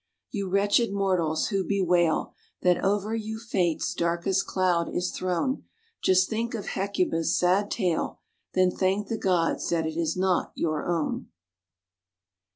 You wretched mortals, who bewail That over you Fate's darkest cloud is thrown, Just think of Hecuba's sad tale, Then thank the gods that it is not your own.